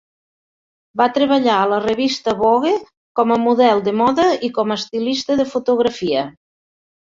Va treballar a la revista "Vogue" com a model de moda i com a estilista de fotografia.